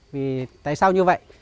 vì tại sao như vậy